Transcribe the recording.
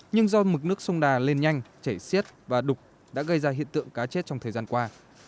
nhưng do mực nước sông đà lên nhanh chảy xiết và đục đã gây ra hiện tượng cá chết trong thời gian qua